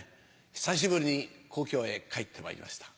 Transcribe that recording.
久しぶりに故郷へ帰ってまいりました。